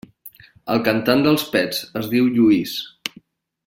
El cantant dels Pets es diu Lluís.